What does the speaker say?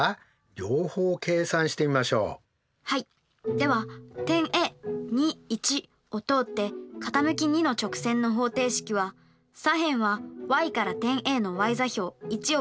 では点Ａを通って傾き２の直線の方程式は左辺はｙから点Ａのｙ座標１を引いてｙ−１。